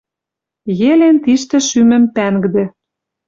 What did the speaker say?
Елен тиштӹ шӱмӹм пӓнгдӹ.